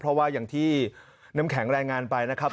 เพราะว่าอย่างที่น้ำแข็งแรงไปนะครับ